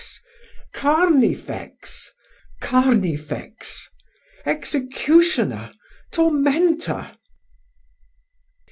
Carnifex! Carnifex! executioner, tormentor.